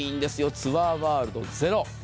ツアーワールドゼロ。